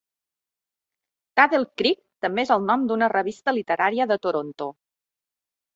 Taddle Creek també és el nom d'una revista literària de Toronto.